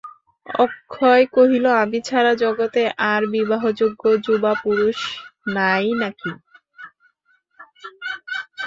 অক্ষয় কহিল, আমি ছাড়া জগতে আর বিবাহযোগ্য যুবাপুরুষ নাই নাকি?